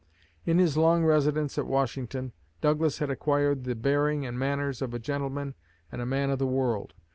In his long residence at Washington, Douglas had acquired the bearing and manners of a gentleman and a man of the world.